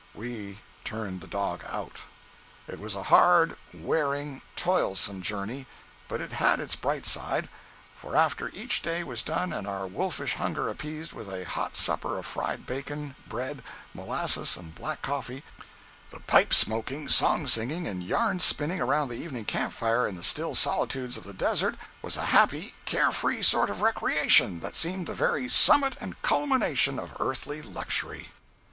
We turned the dog out. It was a hard, wearing, toilsome journey, but it had its bright side; for after each day was done and our wolfish hunger appeased with a hot supper of fried bacon, bread, molasses and black coffee, the pipe smoking, song singing and yarn spinning around the evening camp fire in the still solitudes of the desert was a happy, care free sort of recreation that seemed the very summit and culmination of earthly luxury.